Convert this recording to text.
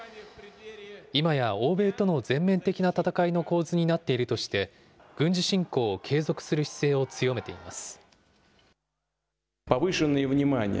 今や欧米との全面的な戦いの構図になっているとして、軍事侵攻を継続する姿勢を強めています。